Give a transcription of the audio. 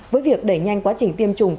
với việc đẩy nhanh quá trình tiêm chủng